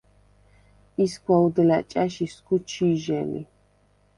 ისგვა უდლა̈ ჭა̈შ ისგუ ჩი̄ჟე ლი.